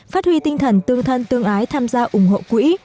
phát huy tinh thần tương thân tương ái tham gia ủng hộ quỹ